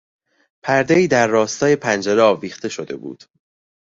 پردهای در راستای پنجره آویخته شده بود.